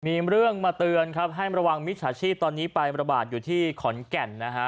มีเรื่องมาเตือนครับให้ระวังมิจฉาชีพตอนนี้ไประบาดอยู่ที่ขอนแก่นนะฮะ